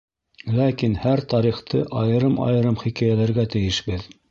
Ләкин һәр тарихты айырым-айырым хикәйәләргә тейешбеҙ.